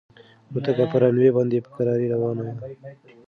الوتکه په رن وې باندې په کراره روانه وه.